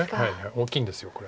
大きいんですこれ。